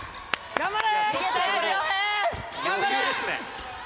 頑張れ！